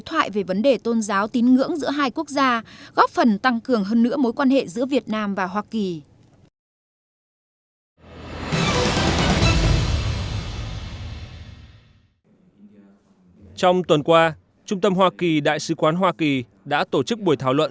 trong tuần qua trung tâm hoa kỳ đại sứ quán hoa kỳ đã tổ chức buổi thảo luận